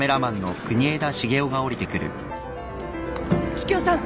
桔梗さん！